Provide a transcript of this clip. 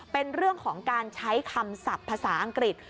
เป็นเรื่องของการใช้คำศัพท์ภาษาอังกฤษ